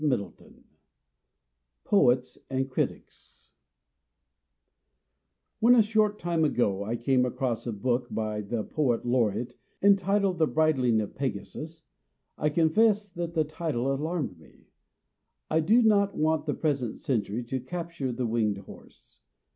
XXVII POETS AND CRITICS WHEN a short time ago I came across a book by the Poet Laureate, entitled " The Brid ling of Pegasus," I confess that the title alarmed me. I do not want the present century to capture the winged horse.